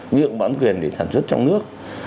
nguyện bản quyền để sản xuất trong nước